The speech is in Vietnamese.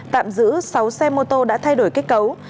tạm giữ sáu xe mô tô đã thay đổi kết cấu